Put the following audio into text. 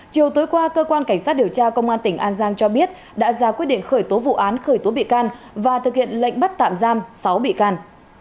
chiều tối qua cơ quan cảnh sát điều tra công an tỉnh an giang cho biết đã ra quyết định khởi tố vụ án khởi tố bị can và thực hiện lệnh bắt tạm giam sáu bị can